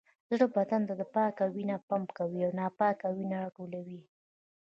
زړه بدن ته پاکه وینه پمپ کوي او ناپاکه وینه راټولوي